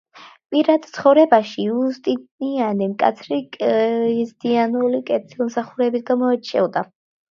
პირად ცხოვრებაში იუსტინიანე მკაცრი ქრისტიანული კეთილმსახურებით გამოირჩეოდა.